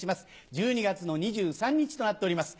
１２月２３日となっております。